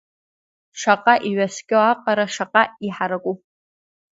Шаҟа иҩаскьо аҟара, шаҟа иҳараку…